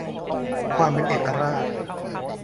ความเป็นเอกราช